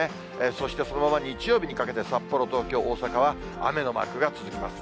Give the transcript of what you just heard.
そしてそのまま日曜日にかけて、札幌、東京、大阪は雨のマークが続きます。